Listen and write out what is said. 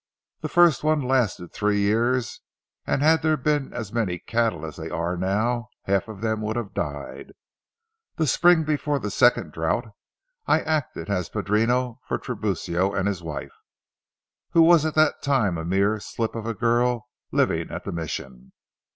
The first one lasted three years, and had there been as many cattle as there are now, half of them would have died. The spring before the second drouth, I acted as padrino for Tiburcio and his wife, who was at that time a mere slip of a girl living at the Mission.